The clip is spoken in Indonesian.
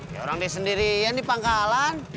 ya orang di sendirian nih pangkalan